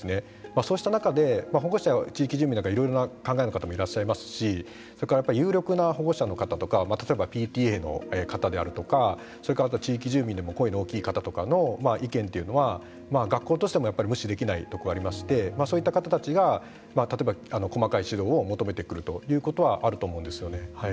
そうした中で保護者や地域住民なんかはいろいろな考えの方もいらっしゃいますしそれから有力な保護者の方とか例えば、ＰＴＡの方であるとかそれから地域住民でも声の大きい方とかの意見というのは学校としても無視できないところがありましてそういった方たちが例えば、細かい指導を求めてくるということはあると思うんですよね。